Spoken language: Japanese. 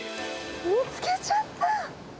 見つけちゃった。